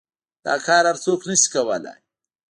دا كار هر سوك نشي كولاى.